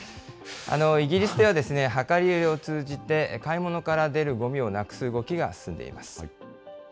イギリスではですね、量り売りを通じて、買い物から出るごみをなくす動きが進んでいます。